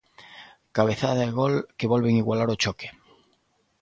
Cabezada e gol que volven igualar o choque.